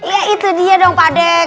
ya itu dia dong pak dek